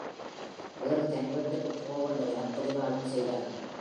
வேறு தனி வீட்டுக்குப் போக வேண்டுமெனப் பிடிவாதம் செய்தார்கள்.